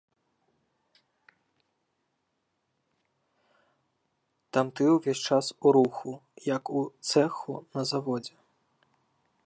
Там ты ўвесь час у руху, як у цэху на заводзе.